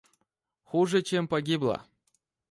Хуже чем погибла.